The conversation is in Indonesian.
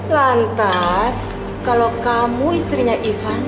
lantas kalau kamu istrinya ivan